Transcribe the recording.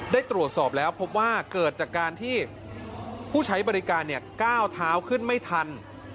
ได้ตรวจสอบแล้วพบว่าเกิดจากการที่ผู้ใช้บริการก้าวเท้าขึ้นไม่ทัน